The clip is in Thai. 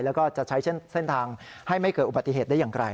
แล้วก็จะใช้เส้นทางให้ไม่เกิดอุบัติเหตุได้อย่างไร